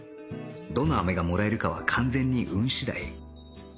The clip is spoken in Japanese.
どの飴がもらえるかは完全に運次第